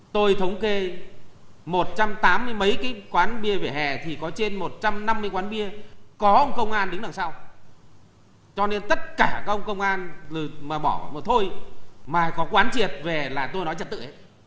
tôi thống kê một trăm tám mươi mấy cái quán bia về hè thì có trên một trăm năm mươi quán bia có ông công an đứng đằng sau cho nên tất cả các ông công an mà bỏ một thôi mà có quán triệt về là tôi nói trật tự ấy